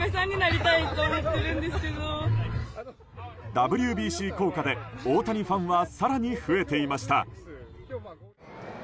ＷＢＣ効果で大谷ファンは更に増えていました。